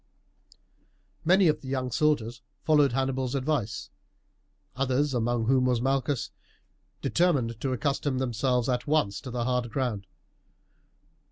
Many of the young soldiers followed Hannibal's advice; others, among whom was Malchus, determined to accustom themselves at once to the hard ground.